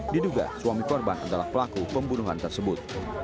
diduga suami korban adalah pelaku pembunuhan tersebut